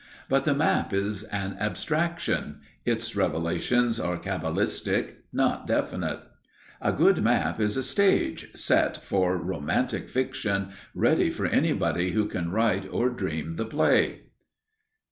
But the map is an abstraction; its revelations are cabalistic, not definite. A good map is a stage set for romantic fiction, ready for anybody who can write or dream the play.